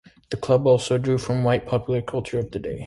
The club also drew from white popular culture of the day.